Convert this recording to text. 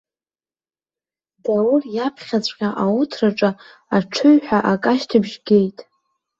Даур иаԥхьаҵәҟьа ауҭраҿы аҽыҩҳәа акы ашьҭыбжь геит.